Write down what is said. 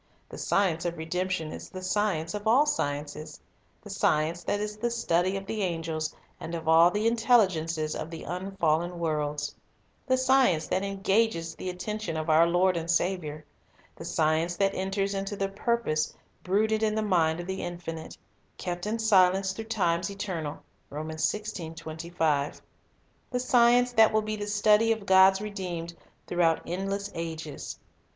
The science of redemption is the science of all sci ences; the science that is the study of the angels and of all the intelligences of the unfallen worlds; the science that engages the attention of our Lord and Saviour; the science that enters into the purpose brooded in the mind of the Infinite, —" kept in silence through times eternal;"" the science that will be the study of God's redeemed throughout endless ages.